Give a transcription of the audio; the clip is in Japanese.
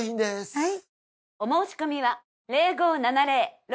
・はい！